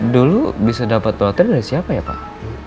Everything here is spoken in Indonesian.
dulu bisa dapet lotre dari siapa ya pak